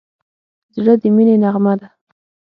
زړه د مینې نغمه ده.